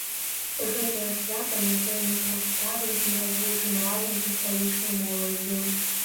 Гэтае свята мы сёння прадставім і развучым разам са сталічнай моладдзю.